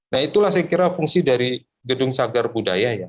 nah itulah saya kira fungsi dari gedung cagar budaya